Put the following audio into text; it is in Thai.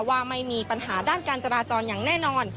ว่าไม่มีปัญหาด้านการจราจรอย่างแน่นอน